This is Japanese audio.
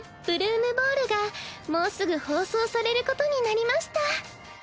ブルームボール」がもうすぐ放送されることになりました。